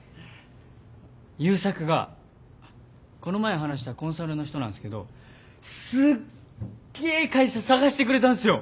ゆーさくがあっこの前話したコンサルの人なんすけどすっげえ会社探してくれたんすよ！